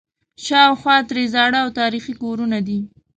شاوخوا ترې زاړه او تاریخي کورونه دي.